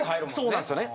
そうなんっすよね。